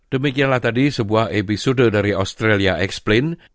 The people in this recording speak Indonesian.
demikianlah tadi sebuah episode dari australia explin